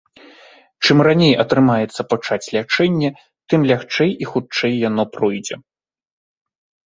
Чым раней атрымаецца пачаць лячэнне, тым лягчэй і хутчэй яно пройдзе.